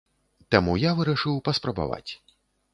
Таму я вырашыў паспрабаваць.